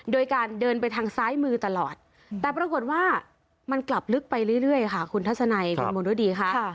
โดยการเดินไปทางซ้ายมือตลอดแต่ปรากฏว่ามันกลับลึกไปเรื่อยค่ะคุณทัศนัยคุณมณฤดีค่ะ